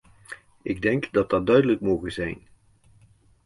Ik denk dat dat duidelijk moge zijn.